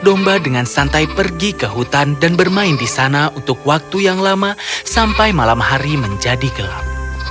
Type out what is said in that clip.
domba dengan santai pergi ke hutan dan bermain di sana untuk waktu yang lama sampai malam hari menjadi gelap